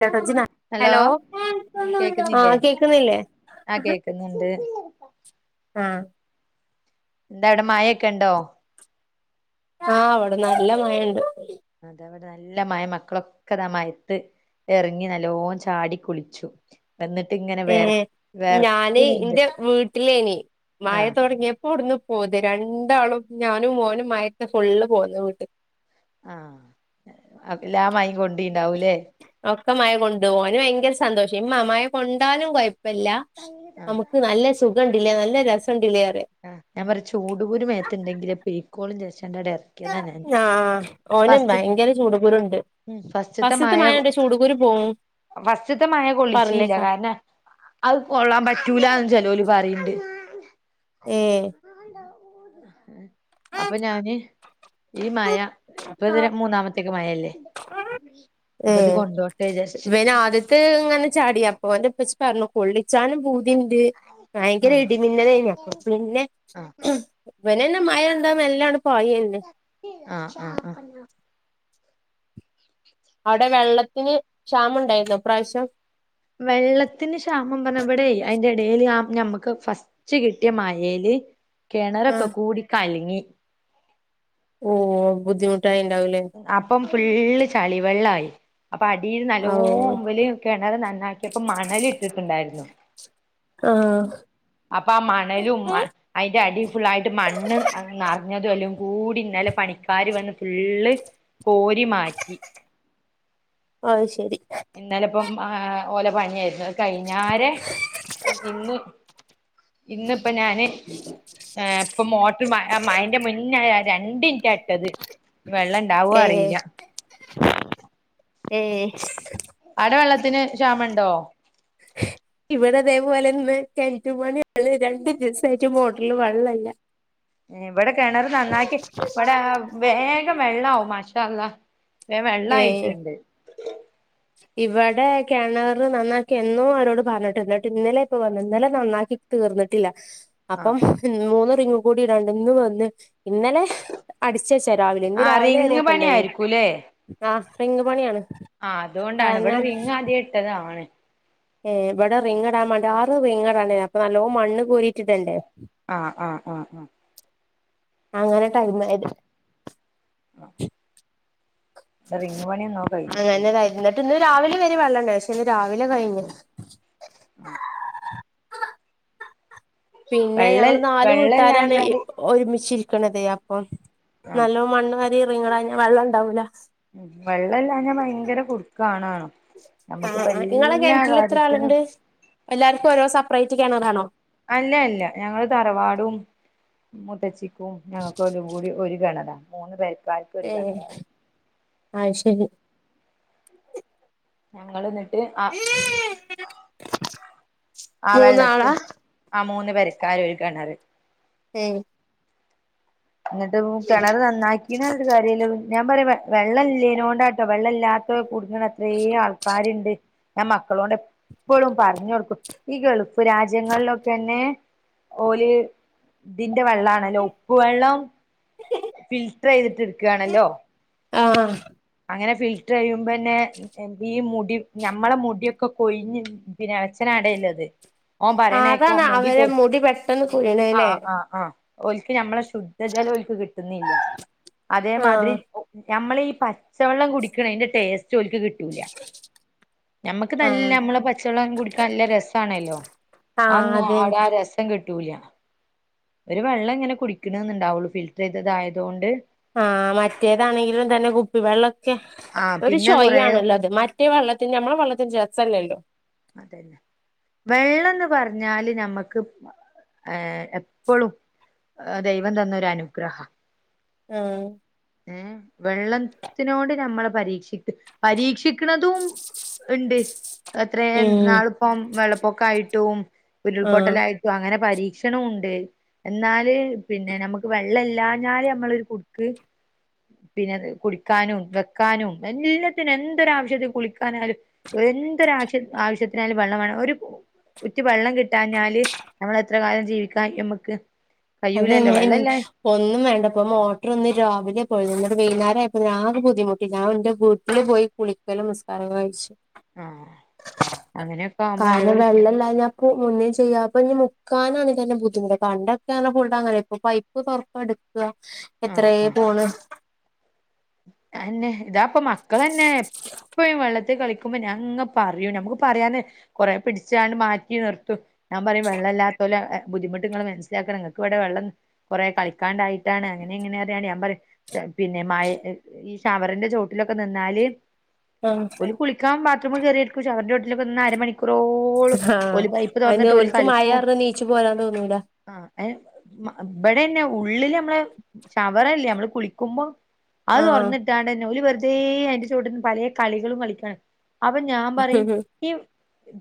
[unintelligible] Hello ആഹ് കേക്ണില്ലേ പിന്നെന്തേ ആഹ് എന്താട മയൊക്കെണ്ടോ ആഹ് വടെ നല്ല മയണ്ട് അതെ അവിടെ നല്ല മഴ മക്കളൊക്കെതാ മയത്ത് ഇറങ്ങി നല്ലോം ചാടി കുളിച്ചു വന്നിട്ട് ങ്ങനെ ഏഹ് എഹ് ഞാന് ന്റെ വീട്ടിലേനി ആ മയ തുടങ്ങിയ പോട്ന്ന് പോത രണ്ടാളും ഞാനും മോനും മയത്തെ ഫുള്ള് പോന്ന് വീട്ടിൽ ആഹ് അപല്ലാ മൈ കൊണ്ട് ഒക്കെ മഴ കൊണ്ടു പോവാന് ഭയങ്കര സന്തോഷം ഇ മഴ കൊണ്ടാലും കുഴപ്പല്ല ആ നമുക്ക് നല്ല സുഖണ്ടില്ലേ നല്ല രസംണ്ടില്ലേറ്യ ആഹ് ഞാൻ പറ ചൂടുകുരു മേ ത്ണ്ടെങ്കില് പീകോളും [unintelligible] ആഹ് ഓന് ഭയങ്കര ചൂടകുരുണ്ട്. ഉം ഫസ്റ്റ്ത്തെ ഫസ്ത്ത് മഴ മയയണ്ട് ചൂടുകൂരു പോവും. ഫസ്റ്റ്ത്തെ മയ കൊള്ളിചീല പറഞ്ഞേക്കാ കാരണം അത് കൊളളാം പറ്റൂലാന്ന് ചെലോലി പറയ്ണ്ട്. ഏഹ്. അപ്പൊ ഞാന്. ഈ മയ ഇപ്പ ഇതൊര് മൂന്നാമത്തെക്കെ മയല്ലേ. ഹ് ഇവന് ആദ്യത്തെ ഇങ്ങനെ ചാടി അപ്പൊ ന്റെ ഇപ് പർഞ്ഞു കൊള്ളിച്ചാനും പൂതിണ്ട് ഭയങ്കര ആഹ് ഇടിമിന്നലൈന്ന് അപ്പൊ പിന്നെ. ആഹ് ഇവനന്നെ മയൊണ്ട നല്ലണ് പോയല്ലേ. ആഹ് ആഹ് ആഹ്. അവടെ വെള്ളത്തിന് ക്ഷാമ ണ്ടായിന്നോ ഇപ്രാവിശ്യം. വെള്ളത്തിന് ക്ഷാമം പറഞ്ഞ ഇവടെയ് അയിന്റെ ഇടേല് ഞമ്മക്ക് ഫസ്റ്റ് ച്ച കിട്യേ മയേല് കെണറൊക്കെ ആഹ് കൂടി കലങ്ങി. ഓഹ് ബുദ്ധിമുട്ടായി ഇണ്ടാവൂലേ? അപ്പം ഫുള്ള് ചളിവെള്ളായി. അപ്പൊ അടിൽ നല്ലോ ഓ വല് കെണറ് നന്നാക്യെപ്പോ മണലിട്ടിട്ട്ണ്ടായിരുന്നു. ആഹ്. അപ്പാ ആ മണലും മ അയിന്റെ അടി ഫുള്ളായിട്ട് മണ്ണ് നറഞ്ഞത അല്ലോം കൂടി ഇന്നലെ പണിക്കാർ വന്ന്. ഫുള്ള് കോരി മാറ്റി. ഓ അത് ശരി. ഇന്നല ഇപ്പം ആഹ് ഓലെ പണിയാരുന്നു ത് കഴിഞ്ഞാരെ ഇന്നു ഇന്നിപ്പ ഞാന് ഏഹ് ഇപ്പോ മോ ട്ട് മയന്റെ മുന്നേ രണ്ടിൻറ്റ ഇട്ടത് വെള്ളം ഇണ്ടാവോ ഏഹ് അറിയില്ല. ഏഹ്. ആടെ വെള്ളത്തിന് ക്ഷാമ ഉണ്ടോ? ഇവടെ ഇതേപോലെന്ന് കെണ്റ്റ് പണി രണ്ട് ദിവസായിറ്റ് മോട്ടറില് വെള്ളല്ല. ഇവടെ കെണറ് നന്നാക്കി ഇവടെ വേഗം വെള്ളാവും മാഷ അള്ളാ. വേം വെള്ളായിട്ട്ണ്ട്. ഇവടെ കെണർ നന്നാക്കി എന്നോ അവരോട് പറഞ്ഞിട്ട് ഇട്ട് ഇന്നലെപ്പൊ വന്ന് ഇന്നലെ നന്നാക്കി. തീർന്നിട്ടില്ല ആഹ് അപ്പം മൂന്ന് റിങ്ങും കൂടി ഇടാണ്ട് ഇന്നും വന്ന് ഇന്നലെ. അടിച്ചച്ചാ രാവിലെ ഇന്ന് ആഹ് രാവിലെ റിങ് വരെക്കെ പണി ഇണ്ടേയ്നി ആയിരിക്കൂല്ലേ ആഹ് തെങ് പണ്യാണ്. ആഹ് അതുകൊണ്ടാണ് ഇവടെ റിങ്ങ് ആദ്യേ ഇട്ടതാണ്. ഏഹ് ഇവടെ റിങ്ങ ഡാംമാണ്ടി ആറ് റിങ്ങടാണ്ടേ അപ്പൊ നല്ലോ മണ്ണ് കോരീറ്റ്ടണ്ടേ? ആഹ് ആഹ് ആഹ് ആഹ്. അങ്ങനെ ടൈമായത്. ആഹ്. [inaudible] റിംഗ് പണ്യേന്നോ കഴിഞട്ടുണ്ട് ഇന്ന്ട്ട് ഇന്ന് രാവിലെ വരെ വെള്ളണ്ടായി പശേ ഇന്ന് രാവിലെ കഴിഞ്ഞു. ആഹ്. പിന്നെ വെള്ളം ഞങ്ങള് നാല് വീട്ടാരാണ് ഇ വെള്ളല്ലാഞ്ഞാല് ഒരുമിച്ചിരിക്കണതേ അപ്പൊ ആഹ് നല്ലോ മണ്ണ് വാരി റിങ് ടാഞ്ഞ വള്ളണ്ടാവൂല. ഉം വെള്ളല്ലാഞ ഭയങ്കര കുടുക്കാണ്ന്നോ? ആഹ് ഇങ്ങളെ കെൺറ്റില് എത്ര ആള്ണ്ട് എല്ലാർക്കും ഓരോ സപ്റൈറ്റ് കെണറാണോ? അല്ല അല്ല ഞങ്ങള് തറവാടും മൂത്ത ച്ചിം. ഞങ്ങൾക്ക ഒല് കൂടി ഒര് കെണറാ മൂന്ന് പെര് ഏഹ് അയ് ശരി. ഞങ്ങൾ എന്നിട്ട് ആ ആ മൂന്നാളാ വെള്ളത്തിൽ ആഹ് മൂന്ന് പെരക്കാര് ഒരു കിണറ്. ഏഹ് എന്നിട്ട് കിണറ് നന്നാക്കീണ് പറഞ്ഞിട്ട് കാര്യല്ല ഞാൻ പറയാ വെള്ളം ഇല്ലേനോണ്ടാട്ടോ വെള്ള ഇല്ലാത്ത ഇതൊക്കെ കുടിക്കണ എത്രയോ ആൾക്കാരുണ്ട് ഞാൻ മക്കളോട് എപ്പോഴും പറഞ്ഞു കൊടുക്കും. ഈ ഗൾഫ് രാജ്യങ്ങളിലൊക്കെ തന്നെ ഓൽ ഇതിന്റെ വെള്ളാണല്ലോ ഉപ്പ് വെള്ള ഫിൽറ്റ്റയ്തിട്ട് ഇട്ക്കാണല്ലോ. ആഹ് അങ്ങനെ ഫിൽട്ടർ ചെയ്യുമ്പോ തന്നെ എന്റെ ഈ മുടി ഞമ്മളെ മുടിയൊക്കെ കൊഴിഞ്ഞ് പിന്നെ എളച്ചൻ അവിടെളത്. ഓൻ ആഹ് പറയണേക്ക അതാണ് മൂടി പോ അവരെ മുടി പെട്ടെന്ന് കൊഴിയണല്ലേ ആഹ് ആഹ് ആഹ് ഓൽക്ക് നമ്മള ശുദ്ധജലം ഓൽക്ക് കിട്ടുന്നില്ല ആഹ് അതേമാതിരി നമ്മളെ ഈ പ പച്ച വെള്ളം കുടിക്കണതിന്റെ ടേസ്റ്റ് ഓൽക്ക് കിട്ടൂല. നമ്മക്ക് നല്ല ആഹ് നമ്മള് പച്ചവെള്ളം കുടിക്കാൻ നല്ല രസമാണല്ലോ ആഹ് അതൊന്നും അതെ അവിടെ ആ രസം. രസം കിട്ടൂല ഒരു വെള്ളം ഇങ്ങനെ കുടിക്കണന്നണ്ടാവുള്ളൂ ഫിൽറ്റർ ചെയ്തതായതുകൊണ്ട്. ആഹ് മറ്റേതാണെങ്കിലും തന്നെ കുപ്പിവെള്ളമൊക്കെ ആ ഒരു പിന്നെ കൊറേ ചൊയയാണല്ലോ അത് മറ്റ്. മറ്റേ വെള്ളത്തിന്റെ നമ്മളെ വെള്ളത്തിന്റെ രസല്ലല്ലോ. അതന്നെ വെള്ളംന്ന് പറഞ്ഞാല് നമ്മുക്ക് ഏഹ് എപ്പോഴും ദൈവം തന്നൊരു അനുഗ്രഹ ആഹ് ഏഹ് വെള്ളത്തിനോട് നമ്മൾ പരീക്ഷിക്ക പരീക്ഷിക്കണതും. ഉണ്ട് എത്രേ ഉം ഇന്നാൾപ്പൊ വെള്ളപ്പൊക്കായിട്ടും ആഹ് ഉരുൾപൊട്ടലായിട്ടും. അങ്ങനെ പരീക്ഷണും ഉണ്ട്. എന്നാല് പിന്നെ നമുക്ക് വെള്ളം ഇല്ലാഞ്ഞാല് നമ്മളൊരു കുടുക്ക്. പിന്നെത് കുടിക്കാനും വെക്കാനും എല്ലാത്തിനും എന്തൊരാവശ്യത്തിനും കുളിക്കാനായാലും. എന്തൊരു ആവശ്യ ആവശ്യത്തിനായാലും വെള്ളം വേണം ഒരു ഉറ്റ് വെള്ളം കിട്ടാഞ്ഞാല് നമ്മൾ എത്ര കാലം ജീവിക്കാൻ പറ്റും നമുക്ക്. അതന്നെണ് ഒന്നും വേണ്ടപ്പോ മോട്ടർ ഒന്ന് രാവിലെ പോയി എന്നട്ട് വൈകുന്നേരായപ്പക്ക് ആകെ ബുദ്ധിമുട്ടി ഞാൻ ന്റെ വീട്ടിൽ പോയി. കുളിക്കലും നിസ്കാരും ഒക്കെ കഴിച്ചു ആഹ് അങ്ങനെയൊക്കെ ആവുമ്പോ കാരണം എല്ലോരു വെള്ളല്ലാഞ്ഞ. മുന്നേ ചെയ്യാം അപ്പ ഇനി മുക്കാനാണെങ്കിൽ തന്നെ ബുദ്ധിമുട്ട കണ്ട ന പോയിട്ട അങ്ങനെ ഇപ്പൊ പൈപ്പ് തുറപ്പ എടുക്കുക ആഹ് എത്രയ പോണ്. അതന്നെ ഇതാപ്പൊ മക്കളന്നെ. ഇപ്പഴും വെള്ളത്തിൽ കളിക്കുമ്പോ ഞാൻ അങ്ങനെ പറയും നമുക്ക് പറയാന്. കുറെ പിടിച്ചാണ്ട് മാറ്റി നിർത്തു. ഞാൻ പറയും വെള്ളല്ലാത്തോലോ എ ബുദ്ധിമുട്ട് ങ്ങള് മനസിലാക്കണം നിങ്ങൾക്ക് ഇവിടെ വെള്ളം. കുറെ കളിക്കാണ്ടായിട്ടാണ് അങ്ങനെ ഇങ്ങനെ ആണ് ഞാൻ പറയും പിന്നെ മഴ ഈ ഷവറിന്റെ ചുവട്ടിലൊക്കെ നിന്നാല്. ആഹ് ഓൽ കുളിക്കാൻ ബാത്റൂം കയറിയതായിക്കും ഷവറിന്റെ ചോട്ടിൽ നിന്ന് അര മണിക്കൂർ- റോളം ആഹ് ഓല് പൈപ്പ് അതിന് തൊറന്നിട്ട് ഓല് ഓൽക്ക് മഴ കളിക്കും- കാരണം നീച്ചു പോരാൻ തോന്നൂല ആഹ് ഇവിടെന്നെ ഉള്ളില് നമ്മള് ഷവറില്ലേ നമ്മള് കുളിക്കുമ്പോ- അത് ആഹ് തൊറന്നിട്ടാണ്ട് തന്നെ ഓല് വെറുതെ അതിന്റെ ചോട്ടിൽന്ന് പലേ കളികളും കളിക്കാണ് അപ്പൊ ഞാൻ പറയും ഈ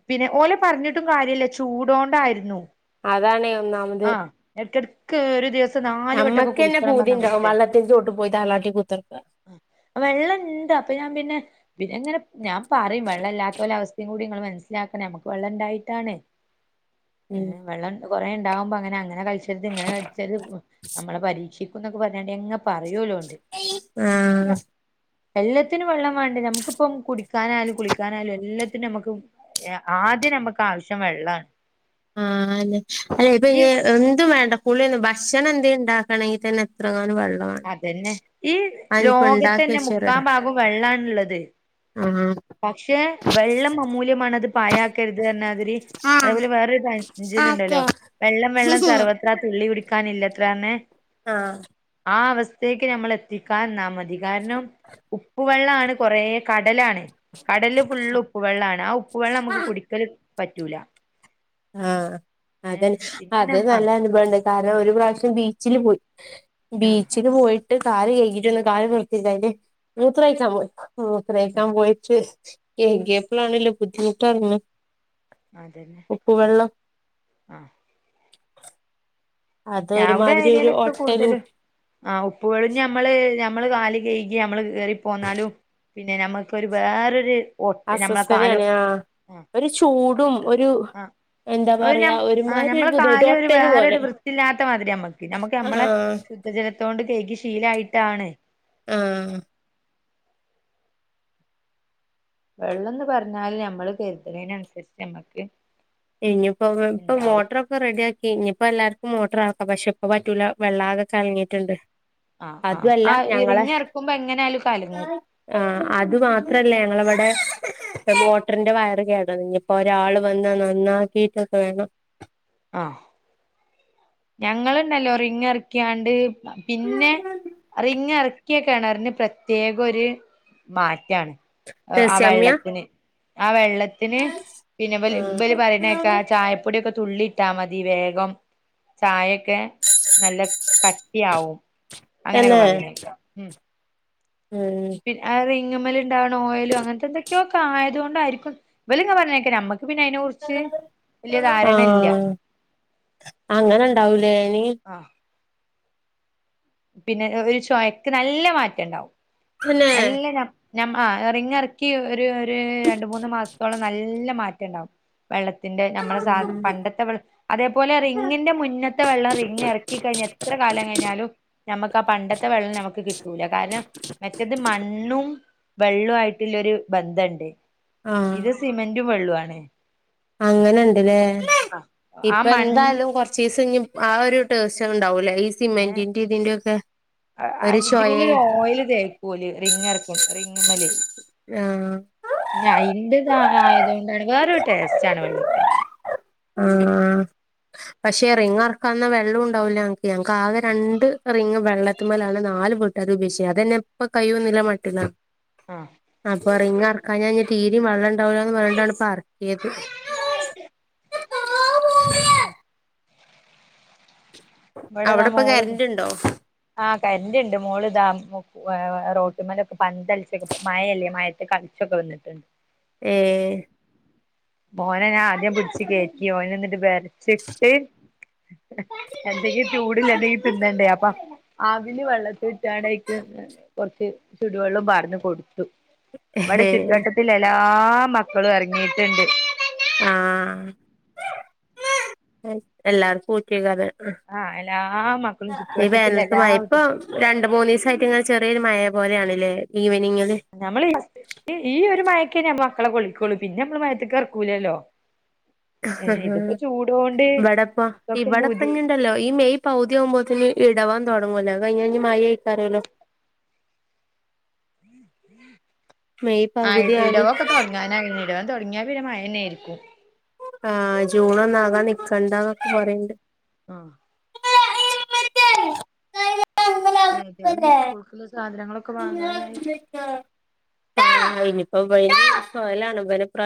പിന്നെ ഓലെ പറഞ്ഞിട്ടും കാര്യയില്ല ചൂടോണ്ടായിരുന്നു അതാണേ ഒന്നാമത്- ഇടക്ക് ഇടക്ക് ഒരു ദിവസം- നാല് വട്ടൊക്കെ നമ്മക്ക് തന്നെ കുളിക്കണം പറഞ്ഞ പൂതിണ്ടാവും അവസ്ഥയാ വെള്ളത്തിന്റെ ചോട്ട് പോയി താലാട്ടി കുത്തിനിക്കാൻ വെള്ളണ്ട് അപ്പൊ ഞാൻ പിന്നെ പിന്നെ ഇങ്ങനെ- ഞാൻ പറയും വെള്ളം ഇല്ലാത്തോലെ അവസ്ഥയും കൂടി നിങ്ങള് മനസ്സിലാക്കണം നമുക്ക് വെള്ളം ഇണ്ടായിട്ടാണ് ഉം ഏഹ് വെള്ളം കൊറെ ഇണ്ടാവുമ്പോ അങ്ങനെ അങ്ങനെ കളിച്ചരുത് ഇങ്ങനെ കളിച്ചരുത്- നമ്മളെ പരീക്ഷിക്കുന്നൊക്കെ പറഞ്ഞാണ്ടി അങ്ങ് പറയുല്ലോ ആഹ് എല്ലാത്തിനും വെള്ളം വേണ്ടേ നമുക്കിപ്പം കുടിക്കാനായാലും കുളിക്കാനായാലും എല്ലാത്തിനും നമുക്ക് ആദ്യം നമുക്ക് ആവശ്യം വെള്ളാണ്. ആഹ് അല്ലെ അല്ലേ ഇപ്പൊ ഈ ഇങ് എന്തും വേണ്ട കുളീ ഒന്നും ഭക്ഷണം എന്തേ ഇണ്ടാക്കണങ്കിൽ തന്നെ എത്രങ്ങാനും വെള്ള - - അത് തന്നെ ഈ ലോകത്ത് ഉണ്ടാക്കി തന്നെ വെച്ച് മുക്കാ റെഡി ഭാഗവും വെള്ളാണുള്ളത് ആഹ് പക്ഷെ വെള്ളം അമൂല്യമാണ് അത് പായക്കരുത് എന്നാതിരി ആഹ് അതേപോലെ വേറൊരു പഴഞ്ചല്ലുണ്ടല്ലോ ഓക്കെ വെള്ളം വെള്ളം സർവ്വത്ര തുള്ളി കുടിക്കാനില്ലത്രന്നേ ആഹ് ആ അവസ്ഥേക്ക് നമ്മള് എത്തിക്കാൻനിന്നാൽ മതി കാരണം ഉപ്പ് ഉപ്പ് വെള്ളാണ് കൊറേ കടലാണ് കടല് ഫുള്ള് ഉപ്പ്‌ വെള്ളാണ് ആ ഉപ്പ് വെള്ളം നമുക്ക് കുടിക്കലും പറ്റൂല ആഹ് അത് ഏ തന്നെ പിന്നെ അത് നം ആ നല്ല അനുഭവുണ്ട് കാരണം ഒരു പ്രാവശ്യം ബീച്ചില് പോയി- ആ ബീച്ചില് പോയിട്ട് കാല് കഴികീട്ട് വന്ന് കാറ് നിർത്തിയില്ലായില്ലേ [unintelligible] പോയി [unintelligible] പോയിട്ട് എങ്ങിയ [unintelligible] പ്പളാണല്ലോ ബുദ്ധിമുട്ടായിരുന്നു. അത് തന്നെ ഉപ്പ് വെള്ളം ആഹ് അത് ഞാ അവിടെ ഒരുമാതിരി ഒരു ഏരിയാലൊക്കെ ഒട്ടലും കൂടുതലും- ആഹ് ഉപ്പു വെള്ളം ഞമ്മള് ഞമ്മള് കാല് കഴ്കി നമ്മള് കേറി പോന്നാലും- പിന്നെ ഞമ്മക്കൊരു വേറൊരു ഓട്ട് നമ്മളെ അസ്വസ്ഥതയാണ് ആ ഒരു ചൂടും ഒരു ആഹ് എന്താ ഒരു പറയാ നമ്മ ആ ഒരുമാതിരി ഒരു ഞമ്മള് ബുദ്ധിമുട്ട് കാലെ ഒരു ഒട്ടല് പോലെ വേറൊരു വൃത്തില്ലാത്ത മാതിരിയാമ്മ ഞമ്മുക്ക് ഞമ്മളെ ആഹ് ശുദ്ധജലത്തോണ്ട് കഴ്കി ശീലായിട്ടാണ്. ആഹ് വെള്ളം എന്ന് പറഞ്ഞാല് ഞമ്മള് കരുതുന്നതിനനുസരിച്ച് ഞമ്മക്ക് ഇനിയിപ്പോ വ് ഇപ്പ മോട്ടർ റെഡിയാക്കി ഇനിയിപ്പോ എല്ലാർക്കും മോട്ടർ ആക്കാം പക്ഷെ ഇപ്പ പറ്റൂല വെള്ളം ആകെ കലങ്ങിട്ടുണ്ട്. ആഹ് ആഹ് ആഹ് റിങ്ങിറക്കുമ്പോ എങ്ങനെയായാലും കലങ്ങും. ആഹ് അത് മാത്രല്ല ഞങ്ങള് ഇവിടെ ഇപ്പ മോട്ടറിന്റെ വയർ കേടാ ഇനി ഇപ്പോ ഒരാള് വന്ന് നന്നാക്കിട്ടൊക്കെ വേണം ആഹ് ഞങ്ങളുണ്ടല്ലോ റിങ്ങ് ഇറക്കിയാണ്ട് പിന്നെ റിങ്ങ് എറക്കിയ കെണറിന് പ്രത്യേകം ഒരു മാറ്റാണ്. അ ആ രസ്യമ്യ വെള്ളത്തിന് ആ വെള്ളത്തിന് പിന്നെ ഇവല് ഇവല് ആഹ് പറയണക്കേക്കാം ചായപ്പൊടിയൊക്കെ തുള്ളി ഇട്ടാ മതി വേഗം ചായയൊക്കെ നല്ല കട്ടി ആവും അങ്ങനെയൊക്കെ തന്നെ പറയുല്ലേ ഉം [unintelligible] ആ ഒരു റിങ്ങമ്മേല ഉണ്ടാവണ ഓയിലും അങ്ങനത്തെ എന്തെ ഒക്കെയോ ആയതു കൊണ്ടായിരിക്കും ഇവലു ഇങ്ങനെ പറഞ്ഞ കേക്കാം നമുക്ക് പിന്നെ അതിനെ കുറി [unintelligible] ആഹ് അങ്ങനെണ്ടാവൂലേനി ആഹ് പിന്നെ ഒരു ചൊയക്ക് നല്ല മാറ്റം ഉണ്ടാവും തന്നെ നല്ല [unintelligible] ഞ മ ആ റിങ് ഇറക്കി ഒരു ഒരു രണ്ട് മൂന്ന് മാസത്തോളം നല്ല മാറ്റം ഉണ്ടാവും. വെള്ളത്തിന്റെ നമ്മളെ സാധ പണ്ടത്തെ വെള്ളത്തിന്റെ അതേപോലെ റിങ്ങിന്റെ മുന്നത്തെ വെള്ളം റിങ്ങ് ഇറക്കി കഴിഞ്ഞു എത്ര കാലം കഴിഞ്ഞാലും നമുക്ക് ആ പണ്ടത്തെ വെള്ളം നമുക്ക് കിട്ടൂല കാരനം മറ്റത് മണ്ണും വെള്ളായിട്ടുള്ളൊരു ബന്ധണ്ട് ആഹ് ഇത് സിമെന്റു വെള്ളു ആണ് അങ്ങനെണ്ടല്ലേ ആഹ് ആ മണ് ഇപ്പന്തായാലും കൊറച്ച് ആ ഒരു [unintelligible] ടെയ്സ്ണ്ടാവൂല ഈ സിമെൻ്റിൻ്റെ ഇതിന്റെക്കെ അയിൻ്റെമല് ഒരു ഓയില് തേക്കൂലേ റിങ്ങ് ഇറക്ക റിങ്ങമല് ആഹ് അയിന്റതായതുകൊണ്ടാണ് വേറൊരു ടേ‌സ്റ്റാണ് വെള്ളത്തിന് ആഹ് പക്ഷെ റിങ്ങ് ഇറക്കാന്ന വെള്ളം ഉണ്ടാവൂല ഞങ്ങക്ക് ഞങ്ങക്ക് ആകെ രണ്ട് റിങ്ങ് വെള്ളത്തമലാണ് നാല [unintelligible] അപേക്ഷിച്ച അതന്നെ ഇപ്പൊ കയ്യുന്നില്ല മട്ടിലാണ് ആ അപ്പൊ റിങ്ങറക്കാഞ്ഞാ തീരി വള്ളണ്ടാല്ലാന്ന് പറഞ്ഞിട്ടാണിറക്കിയത് [inaudible] അവിടിപ്പു കരണ്ടിണ്ടോ ആ കരൻ്റിണ്ട് മോള് ദാ റോട്ടിമേലൊക്കെ പന്തൽച്ചാ മയല്ലേ മയത്തെ കളിച്ചൊക്കെ വന്നിട്ടിണ്ട് ഏഹ് ഓനെ ഞാൻ ആദ്യം പിടിച്ച് കേറ്റി ഓനന്നിട്ട് ബെർച്ചിട്ട് എന്തെങ്കും ചൂടുളളന്തെങ്കിലും തിന്നണ്ടേ അപ്പൊ അവില് വെള്ളത്തിലിട്ടാണേക്ക് കൊറച്ച് ചുടുവെള്ളോം പാർന്ന്കൊടുത്തു നമ്മടെ ചുറ്റുവട്ടത്തില് എല്ലാ മക്കളും എറങ്ങീട്ടുണ്ട് ആഹ് എല്ലർക്കു [unintelligible] ആഹ് എല്ലാ മക്കളും ഈ ചുറ്റുവട്ടത്തിൽ വേനൽത്ത് എല്ലാ മയ വീട്ട ഇപ്പം രണ്ടുമൂന്നീസായിട്ട് ഇങ്ങനെ ചെറിയൊരു മഴ പോലെയാണല്ലേ ഈവനിങ്ങില് ഞമ്മള് ഈ ഒരു മയക്കേ ഞാ മക്കളെ കുളിപ്പിക്കോളൂ പിന്നെമ്മള് മയത്തിക്കീറക്കൂലല്ലോ ഏഹ് ഇതിപ്പോ ചൂടോണ്ട് മക്കക്കും പൂതി ഇണ്ടല്ലോ ഈ മെയ് പൗതിയവുമ്പോത്തേന് ഇടവം തൊടങ്ങൂലോ അത് കയിഞ്ഞഞ് മയണ്ടാകല്ലോ മെയ് പകുതിയാല് ഞാനങ്ങ [unintelligible] ഇടാതൊടങ്ങിയ പിന്ന മായന്നെയായിരിക്കും ആഹ്. ജൂണൊന്നാകാ നിക്കണ്ട എന്നൊക്കെ പറയിണ്ട് ആഹ് അഹ് [inaudible] ഈ സ്കൂൾക്ക് സാധനങ്ങളൊക്കെ വാങ്ങാനായി ആ ഇനിയിപ്പോ [unintelligible]